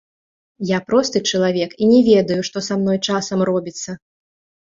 Я просты чалавек і не ведаю, што са мною часамі робіцца.